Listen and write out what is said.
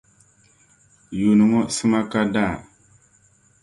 Yuuni ŋɔ sima ka daa.